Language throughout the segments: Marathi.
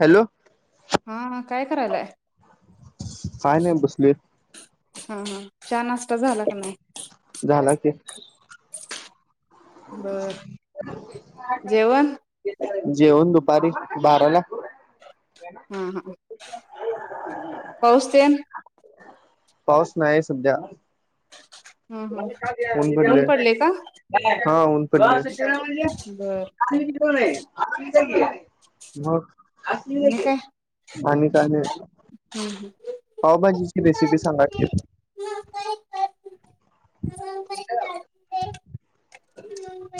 हॅलो हा, हा काय? कराल्यास काय नाही बसलोय हा हा चहा, नाष्टा झाला काय नाय? झाला की [inaudible] बर जेवण जेवन दुपारी बाराला हा, हा पाऊस तेन? पाऊस नाही सध्या हम्म हम्म ऊन पडलय पडले का हा ऊन पडलय बर मगं आसूदे आणि की काय आणि का नाही हम्म पाव भाजीची रेसिपी सांगा की? [inaudible]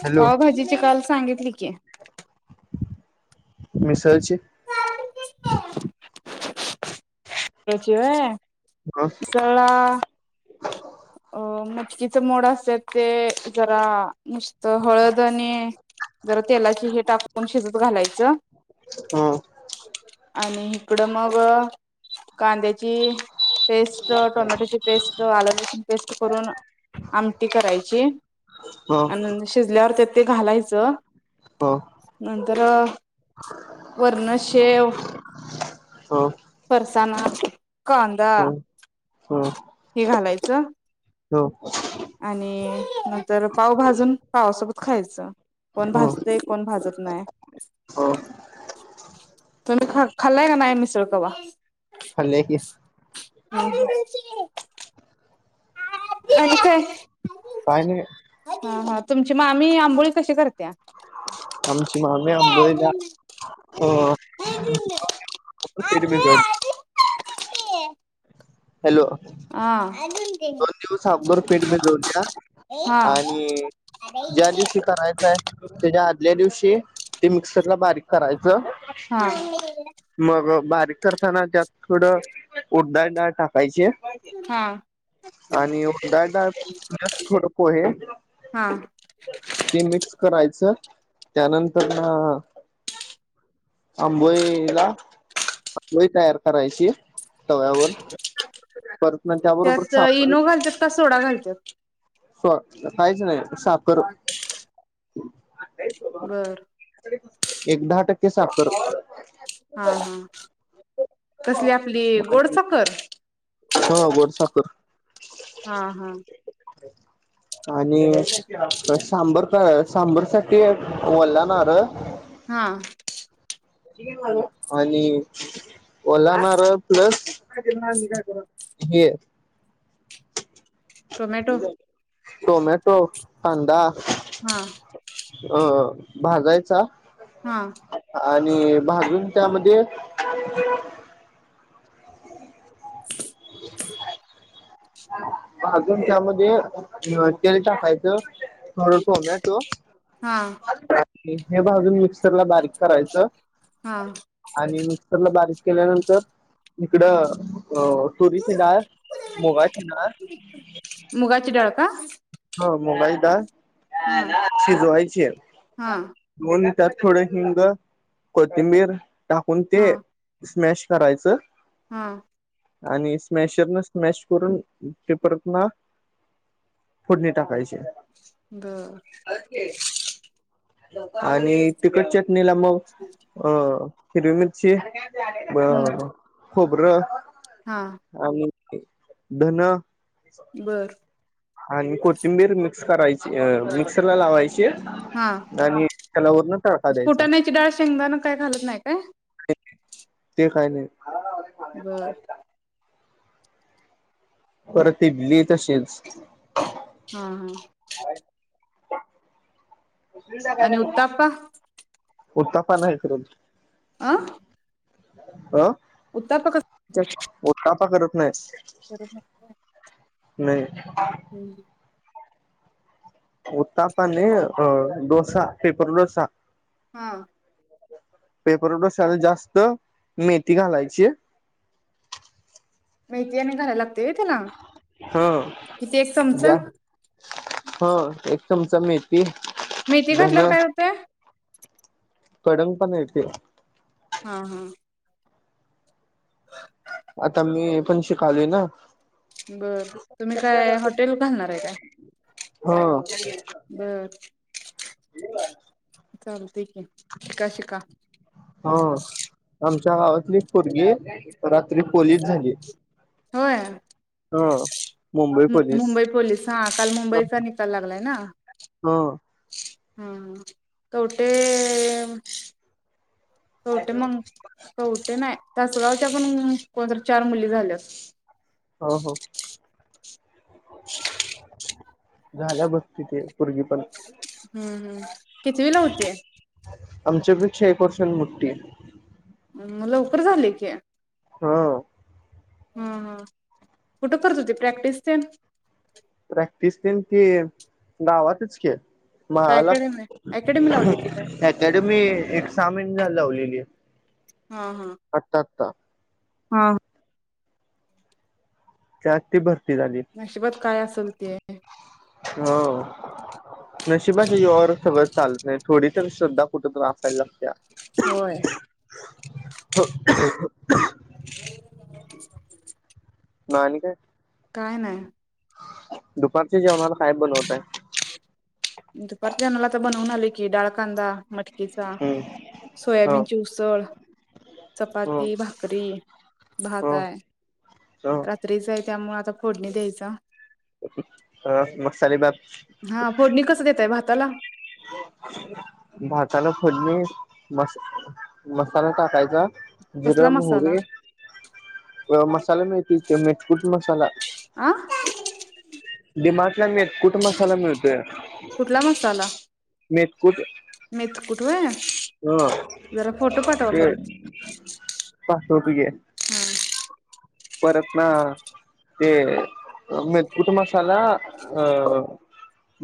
हॅलो पावभाजीची कालच सांगितली की मिसळची त्याची व्हय ह मिसळला [inaudible] अ मटकीच मोड असत्यात ते जरा नुसत हळद आणि जरा तेलाची हे टाकून शिजत घालायचं ह आणि इकडं मग कांद्याची पेस्ट, टोमॅटोची पेस्ट, आलं, लसूण करून आमटी करायची ह आण शिजल्या त्यात ते घालायच. ह नंतर वरण शेव, ह ह फरसाना, कांदा ह हे घालायचं. हा. आणि नंतर पाव भाजून पावा सोबत खायचं. कोण भाजतय कोण भाजत नाही हो तुम्ही खा खाल्याय काय नाय मिसळ कव्हा फल्ले की अ [inaudible] [inaudible] फायदे हा हा तुमची मामी आंबोळी कशी करते. आमची मामी आंबईला अ हा हा फ [inaudible] हा दोन दिवस अबर पीठ मिजव द्या हा आणि ज्या दिवशी करायचय. म्हणे आदल्या दिवशी ते मिक्सरला बारीक करायच मग बा... करताना त्यात थोडं उडदाची डाळ टाकायची. हा आणि डाळ डाळस थोड पोहे हा ते मिक्स करायची त्यानंतर ना आंबोळी ला आंबोई तयार करायची तव्यावर पर त्याबरोबर त्यात साखर इनो घालतात का सोडा घालतात. काहीच नाही साफ करू बर एक दहा टक्के के साफ करतात हा हा कसली आपली आणि गोडसाखर हो गोड साखर हा हा आणि सांबर का सांबर साठी वल्ल नारळ हा आणि ओला नारळ प्लस हे टोमॅटो टोमॅटो कांदा हा अ भाजायचा हा आणि भाजून त्यामध्ये ह [unintelligible] [inaudible] अजून त्यामध्ये तेल टाकायचं थोडा टोमॅटो. हा हे भाजून मिक्सरला बारीक करायचं. हा. आणि मिक्सरला बारीक केल्यानंतर इकडं, हो तुरीची डाळ मुगाची डाळ मुगाची डाळ का हो मोबाईल का? हा शिजवायचे हा [unintelligible] त्यात थोडे हिंग, कोथिंबीर, टाकून हा ते स्मॅश करायचं. हा. आणि स्मॅशर न स्मॅश करून ते परतना फोडणी टाकायचे. ब [inaudible] आणि तिकट च नलाम मऊ अ हिरवी मिरची [unintelligible] हम्म बरोबर खोबरं हा आणि धन बर. आणि कोथिंबीर मिक्स करायची. अ मिक्सरला लावायची हा. आणि त्याला वरन तडका द्यायचा फुटाण्याची डाळ शेंगदाण काय घालत नाय काय? ते काय नाही. बर. परत इडली तशीच हा. हा. आणि उत्तापा? उत्तप्पा नाही करू अं अं उत्ताप कस? च करत नाही नाही. हम् उत्तापाने अं डोसा, पेपर डोसा. हा. पेपरडोशाला जास्त मेथी घालायची. मेथी आणि घाला हा. एक चमचा जा हा. ते चमचा मेथी मेथी घातल्यावर काय होतंय? कडन्ग पणा येतोय हा हा. [inaudible] आता मी पण शिकालोय ना. बरं तुम्ही काय हॉटेल घालणार आहे काय? हा. बर. चाल शिका शिका. ह आमच्या गावातली एक पोरगी रात्री पोलीस झाली. होय? हा मुंबई पोलीस हा काल ह मुंबईचा निकाल लागलाय ना. हो हां कवठे कवठे मंग कवठे नाही तासगाव [unintelligible] कुणातर चार मुली झाल्यात. हो हो. झाल्या बघ तिथे पोरगी पण. हम्म हम्म कितवीला होती? आमच्या पेक्षा एक वर्षान मोठी. म लवकर झाले की. हां. हम हम कुठं करत होती प्रॅक्टिस तेन? फिस किन ती गावातच की काय महालात अकॅडमी अकॅडमी लावली होती काय [inaudible] अकॅडमी एक सहा महिने कितींदा लावलेली. हा हा का? हा. जाती ब झाली नशिबात काय असेल ते हो. नशिबाच्या जीवावर सगळ चालत नाही थोडी तर श्रद्धा कुठतरी असायला लागत्या. होय. हो. [unintelligible] मग आणि काय. काय नाई. दुपारचे जेवणाला काय बनवताय. दुपारच्या जेवणाला आता बनवून आलो की डाळकांदा मटकीचा हम्म ह सोयाबीन ची उसळ ह चपाती भाकरी भात आहे ह ह रात्री चां त्यामुळे आता फोडणी द्यायच. हा मग साली बाात- हा फोडणी कसं देताय भाताला भाताला फोडनी मस मसाला टाकायचा. जिरे कसला मसाला मोहरी मसाला मिळतील ते मेचपूट मसाला... आ दिमाग.. मी कुठून मसाला मिळतो. कुठ. मीथकठ होय ह ते परत पाचपे घे हा परत ना ते मकुट मसाला अ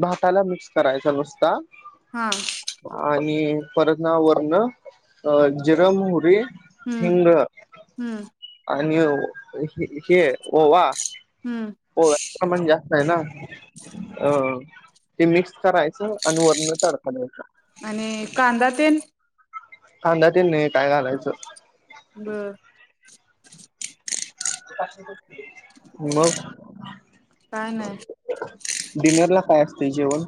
भाताला मिक्स करायचा नुसता. हा आणि परत वरण जिरमोहरी हम्म हम्म आणि हे ओवा हम्म माण जास्त आहे ना अ ते मिक्स करायचं आणि वरण तडका द्यायचा. आणि कांदा तेन कांदा तेन नाही काय घालायचं. बर [unintelligible] मग काय हो [unintelligible] डिनर ला काय असत ते जेवण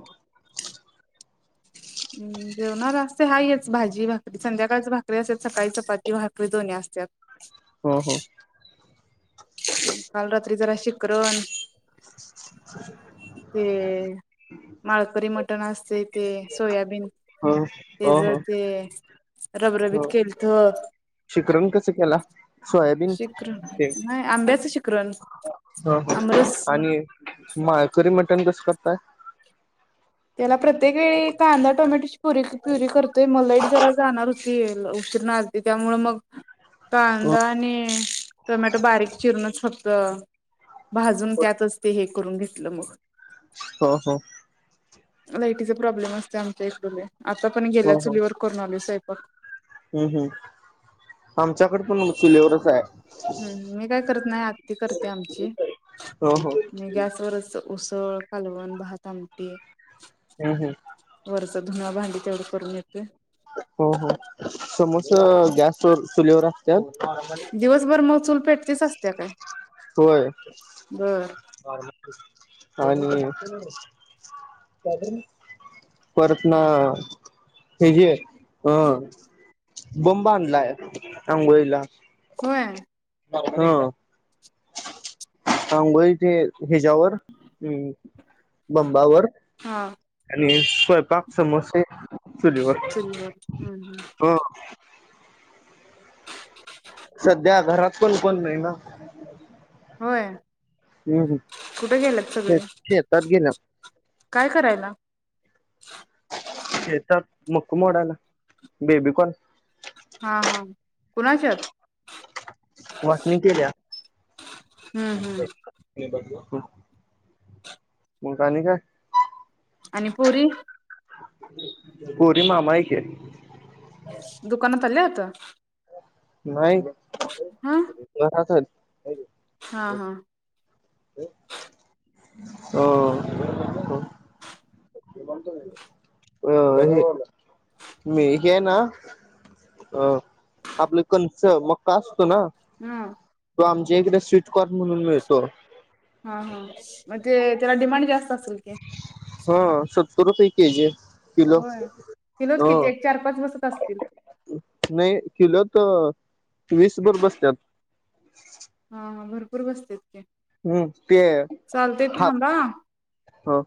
ह जेवणार असते हाय हेच भाजी भाकरी संध्याकाळच भाकरी असते सकाळी चपाती भाकरी दोन्ही असत्यात ह हा काल रात्री जरा शिकर [inaudible] ते माळकरी मटण असते चेते सोयाबीन हो ते हो जर ते रबरबीत हो केळतं. शिकरण कसं केला सोयाबीन ते शिकरण हा हा आमरस आणि माळकरी मटन कस काय काय. त्याला प्रत्येक वेळी कांदा टोमॅटोची परी प्युरी करतोय मग लाईट जरा जाणार होती उशिरा ना आलती त्यामुळ मग ह. कांदा आणि टोमॅटो बारीक चिरणचं फक्त भाजून त्यातच ते हे करून घेतलं मग. ह हो लायटीचे प्रॉब्लेम असतोय आमच्या इथ लयीत. आता पण गेल्या चुलीवर करून आलोय स्वय पाक. हम् हम्म आमच्याकडे पण चुलीवरच हाय. हम् मी काय करत नाही आत्ती करते. आमची हो हो हम्म मी गॅसवरचस उसळ, कालवण, भात, आमटी हम् हम् धुन भांडी तेवढं करून येतोय. हो हो समस् च गॅस वर चलीवरा दिवसभर मग चूल पेट तेच. होय. बर आणि परतना हेजी हम् बंब आणलाय आंघोळीला. होय. हा. आंघोळी ते हिच्यावर बंबावर हा आणि स्वयंपाक समोसे चुलीवर. चुलीवर हम्म हम्म हो सध्या घरात पण कोण नाही ना. होय. हम् ह कुठे गेल्यात श सगळे शेतात गेलं काय करायला हेेत मुक मोडाल बेबीकॉन हा हा कोुणाच्या वाकणी केल्या हम्म हम्म मग आणि काय? आणि पुरी गोरी मामा आहेक. दुकानात आल्यात? नाही. च [unintelligible] हा हा. हो. अ हे मी हे ना अ आपलं कंच मक्का असतो ना. हम्म. त आमच्या इकडे स्वीटकॉर्न म्हणून मिळतो. हा हा म्हंजे? त्याला डिमांड जास्त असेल की. हा, सत्तर रुपये के जी आहे. होय, तिलोच किती एक चार पाच बसत असतील. वीसभर बसतत. हा हा भरपूर बसते. हम्म ते हा थांबा. हो.